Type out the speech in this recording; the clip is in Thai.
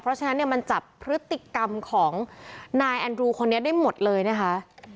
เพราะฉะนั้นเนี่ยมันจับพฤติกรรมของนายแอนดรูคนนี้ได้หมดเลยนะคะ